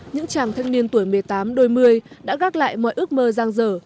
những chàng thanh niên tuổi một mươi tám đôi mươi đã gác lại mọi ước mơ giang dở